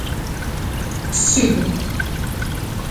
Шъибгъу.